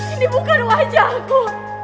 ini bukan wajahku